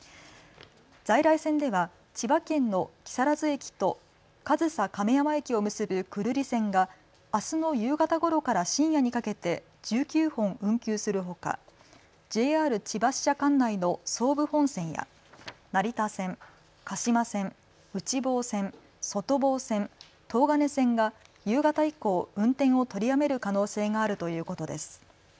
在来線では千葉県の木更津駅と上総亀山駅を結ぶ久留里線があすの夕方ごろから深夜にかけて１９本運休するほか、ＪＲ千葉支社管内の総武本線や成田線、鹿島線、内房線、外房線、東金線が夕方以降、運転を取りやめる可能性があるということです。